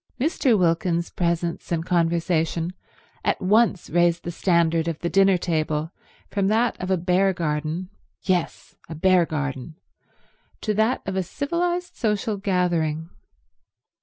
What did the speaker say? Mr. Wilkins's presence and conversation at once raised the standard of the dinner table from that of a bear garden—yes, a bear garden—to that of a civilized social gathering.